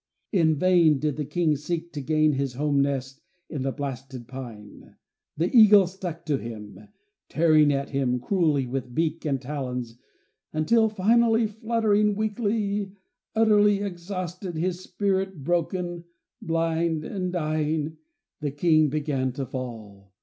In vain did the King seek to gain his home nest in the blasted pine. The eagle stuck to him, tearing at him cruelly with beak and talons until, finally, fluttering weakly, utterly exhausted, his spirit broken, blind and dying, the King began to fall.